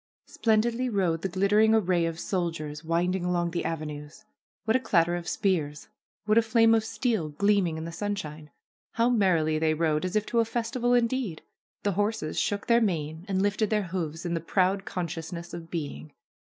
Splendidly rode the glittering array of soldiers, wind ing along the avenues. What a clatter of spears ! What a fiame of steel gleaming in the sunshine ! How merrily they rode, as if to a festival indeed ! The horses shook their manes and lifted their hoofs in the proud conscious ness of being.